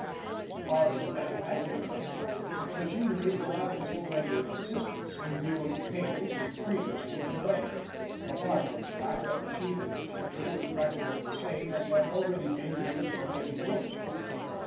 So far as the manufacture went, the machinery for that was already in existence, in view of the cables that had previously been laid apart from the fact that the sheathing machinery was practically the same as had already been used for making ropes with.